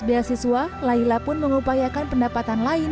beasiswa laila pun mengupayakan pendapatan lain